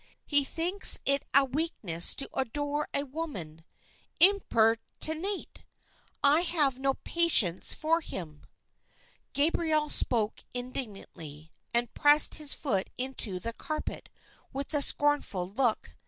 He thinks it a weakness to adore a woman. Impertinente! I have no patience for him." Gabriel spoke indignantly, and pressed his foot into the carpet with a scornful look.